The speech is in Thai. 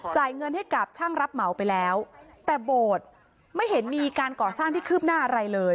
จ่ายเงินให้กับช่างรับเหมาไปแล้วแต่โบสถ์ไม่เห็นมีการก่อสร้างที่คืบหน้าอะไรเลย